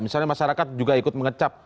misalnya masyarakat juga ikut mengecap